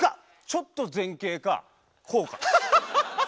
ちょっと前傾かこうか。